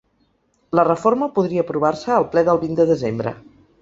La reforma podria aprovar-se al ple del vint de desembre.